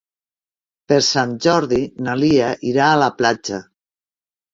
Per Sant Jordi na Lia irà a la platja.